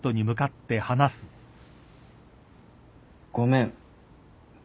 ごめん。